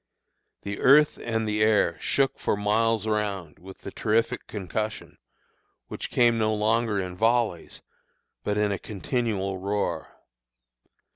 The earth and the air shook for miles around with the terrific concussion, which came no longer in volleys, but in a continual roar.